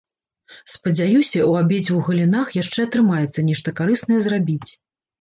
Спадзяюся, у абедзвюх галінах яшчэ атрымаецца нешта карыснае зрабіць.